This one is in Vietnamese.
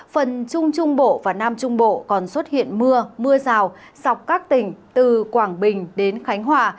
phần trung trung bộ và nam trung bộ còn xuất hiện mưa mưa rào dọc các tỉnh từ quảng bình đến khánh hòa